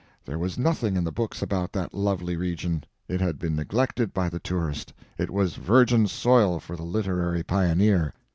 There was nothing in the books about that lovely region; it had been neglected by the tourist, it was virgin soil for the literary pioneer.